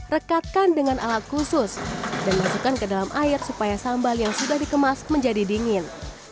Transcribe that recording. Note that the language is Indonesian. rekatkan dengan alat khusus dan masukkan ke dalam air supaya sambal yang sudah dikemas menjadi dingin